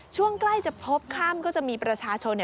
ช่วงใกล้จะพบค่ำก็จะมีประชาชน